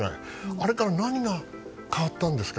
あれから何が変わったんですか。